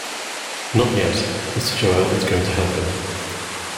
Not yet; Mr. Joel is going to help him.